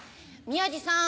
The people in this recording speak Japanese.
宮治さん